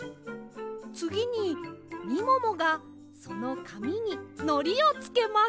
つぎにみももがそのかみにのりをつけます。